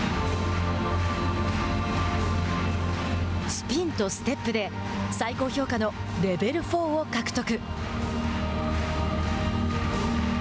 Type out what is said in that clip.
スピンとステップで最高評価のレベル４を獲得。